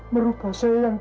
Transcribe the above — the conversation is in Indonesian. merubah saya yang